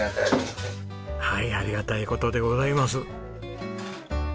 はいありがたい事でございます。